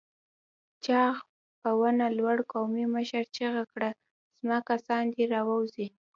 چاغ په ونه لوړ قومي مشر چيغه کړه! زما کسان دې راووځي!